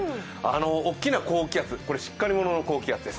大きな高気圧、しっかりものの高気圧です。